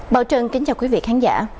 bảo trân kính chào quý vị khán giả